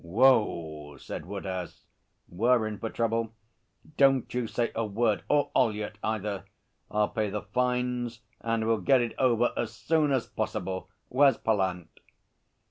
'Whew!' said Woodhouse. 'We're in for trouble. Don't you say a word or Ollyett either! I'll pay the fines and we'll get it over as soon as possible. Where's Pallant?'